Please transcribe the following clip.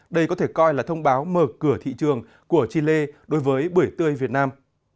đây có thể coi là thông báo mở cửa thị trường của chile đối với bưởi tươi việt nam